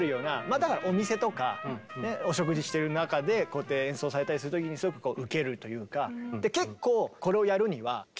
まあだからお店とかお食事してる中でこうやって演奏されたりする時にすごくウケるというか。